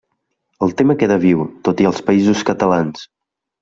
El tema queda viu, tot i els Països Catalans.